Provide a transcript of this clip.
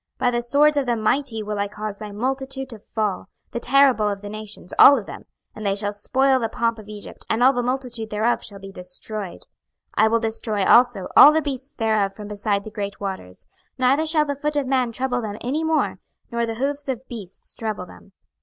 26:032:012 By the swords of the mighty will I cause thy multitude to fall, the terrible of the nations, all of them: and they shall spoil the pomp of Egypt, and all the multitude thereof shall be destroyed. 26:032:013 I will destroy also all the beasts thereof from beside the great waters; neither shall the foot of man trouble them any more, nor the hoofs of beasts trouble them.